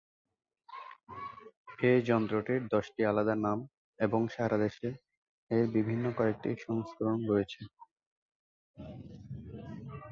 এই যন্ত্রটির দশটি আলাদা নাম এবং সারা দেশে এর বিভিন্ন কয়েকটি সংস্করণ রয়েছে।